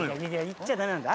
行っちゃダメなんだ。